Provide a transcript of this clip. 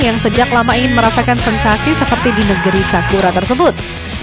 yang sejak lama ingin merasakan sensasi seperti di negeri sakura tersebut